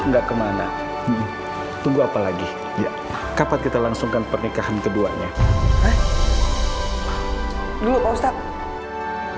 enggak kemana tunggu apa lagi ya kapan kita langsungkan pernikahan keduanya dulu ustadz